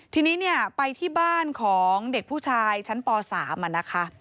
ทีนี้เนี่ยไปที่บ้านของเด็กผู้ชายชั้นป๓นะคะ